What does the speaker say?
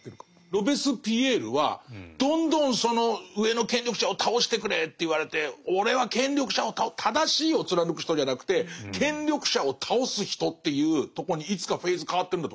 ロベスピエールはどんどんその上の権力者を倒してくれって言われて俺は権力者を倒す「正しいを貫く人」じゃなくて「権力者を倒す人」っていうとこにいつかフェーズ変わってるんだと思うんですよ。